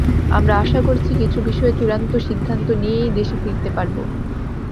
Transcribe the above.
আমরা আশা করছি, কিছু বিষয়ে চূড়ান্ত সিদ্ধান্ত নিয়েই দেশে ফিরতে পারব।